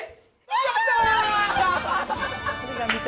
やった！